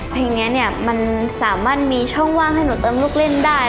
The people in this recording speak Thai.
เพลงนี้เนี่ยมันสามารถมีช่องว่างให้หนูเติมลูกเล่นได้